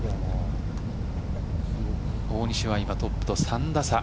大西は今、トップと３打差。